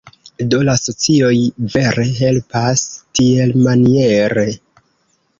Do la socioj vere helpas tielmaniere.